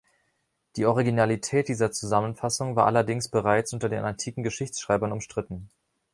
Die Originalität dieser Zusammenfassung war allerdings bereits unter den antiken Geschichtsschreibern umstritten.